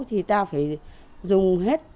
thì ta phải dùng hết